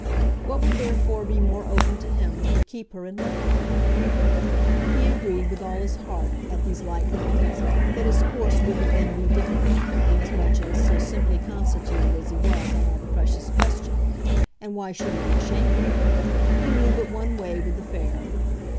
What would therefore be more open to him than to keep her in love with him? He agreed, with all his heart, at these light moments, that his course wouldn't then be difficult, inasmuch as, so simply constituted as he was on all the precious question and why should he be ashamed of it? he knew but one way with the fair.